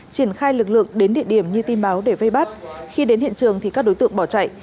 triển khai lực lượng đến địa điểm như tin báo để vây bắt khi đến hiện trường thì các đối tượng bỏ chạy